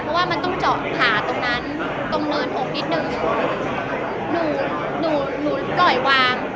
เพราะว่ามันต้องเจาะผ่าตรงนั้นตรงเนินผมนิดนึงหนูหนูหนูปล่อยวาง